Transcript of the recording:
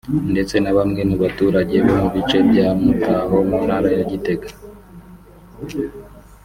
ndetse na bamwe mu baturage bo mu bice bya Mutaho mu Ntara ya Gitega